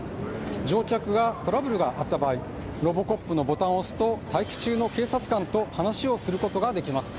乗客がトラブルがあった場合ロボコップのボタンを押すと待機中の警察官と話をすることがで来ます。